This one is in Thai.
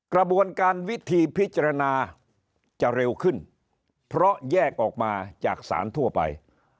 กระบวนการวิธีพิจารณาจะเร็วขึ้นเพราะแยกออกมาจากศาลทั่วไป